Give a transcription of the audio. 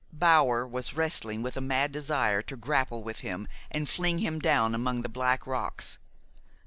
Bower was wrestling with a mad desire to grapple with him and fling him down among the black rocks.